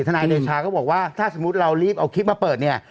นายเดชาก็บอกว่าถ้าสมมุติเรารีบเอาคลิปมาเปิดเนี่ย